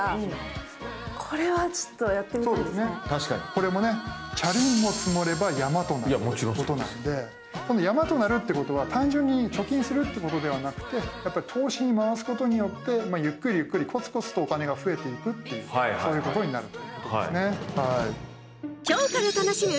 これもね「チャリンも積もれば山となる！」ということなのでこの「山となる」っていうことは単純に貯金するっていうことではなくて投資に回すことによってゆっくりゆっくりコツコツとお金が増えていくっていうそういうことになるということですね。